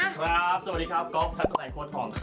สวัสดีครับกรอบทัศน์สมัยพวดทองค่ะ